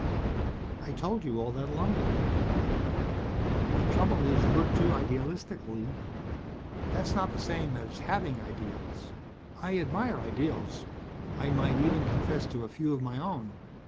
"I told you all that long ago. The trouble is, you're too idealistic, Lee. That's not the same as having ideals. I admire ideals I might even confess to a few of my own.